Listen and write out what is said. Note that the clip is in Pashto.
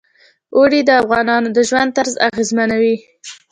اوړي د افغانانو د ژوند طرز اغېزمنوي.